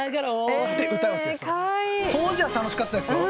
当時は楽しかったっすよ。